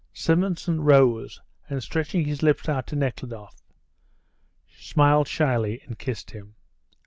Simonson rose, and stretching his lips out to Nekhludoff, smiled shyly and kissed him.